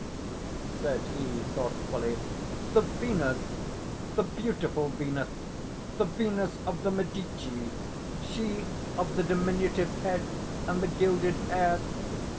said he thoughtfully, "the Venus—the beautiful Venus?—the Venus of the Medici?—she of the diminutive head and the gilded hair?